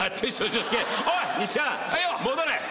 おい。